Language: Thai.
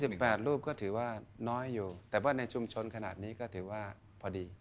แปดรูปก็ถือว่าน้อยอยู่แต่ว่าในชุมชนขนาดนี้ก็ถือว่าพอดี